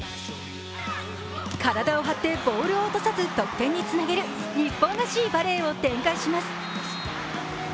体を張ってボールを落とさず得点につなげる日本らしいバレーを展開します。